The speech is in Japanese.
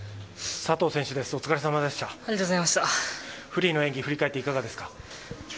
フリーの演技、振り返っていかがですか？